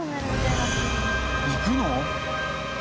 行くの！？